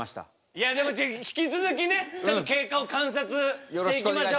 いやでもじゃあ引き続きね経過を観察していきましょう。